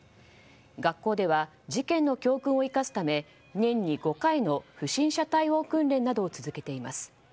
学校では事件の教訓を生かすため年に５回の不審者対応訓練などを続けています。